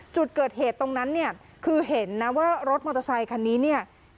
จุดเกิดเหตุตรงนั้นเนี่ยคือเห็นนะว่ารถมอเตอร์ไซคันนี้เนี่ย